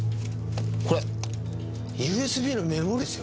これＵＳＢのメモリーっすよ。